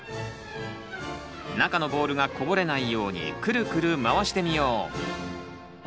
中のボールがこぼれないようにクルクル回してみよう。